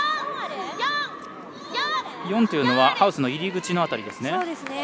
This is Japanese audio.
４！４というのはハウスの入り口辺りですね。